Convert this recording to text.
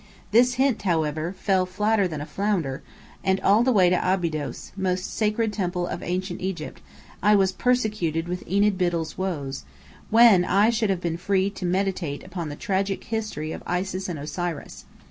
This hint, however, fell flatter than a flounder; and all the way to Abydos, most sacred temple of ancient Egypt, I was persecuted with Enid Biddell's woes, when I should have been free to meditate upon the tragic history of Isis and Osiris.